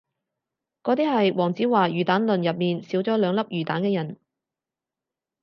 嗰啲係黃子華魚蛋論入面少咗兩粒魚蛋嘅人